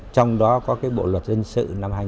trong đó có bộ luật dân sự năm hai nghìn bốn